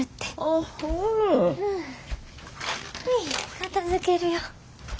片づけるよ。